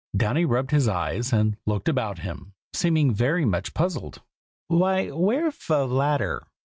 Downy rubbed his eyes and looked about him, seeming very much puzzled. "Why, where'v ve ladder?"